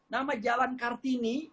nama jalan kartini